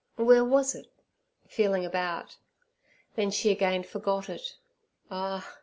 Where was it?—feeling about. Then she again forgot it. Ah!